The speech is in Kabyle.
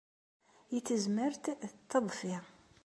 I tezmert d tadfi!